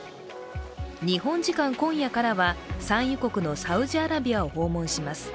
日本時間今夜からは産油国のサウジアラビアを訪問します。